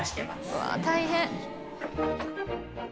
うわあ大変。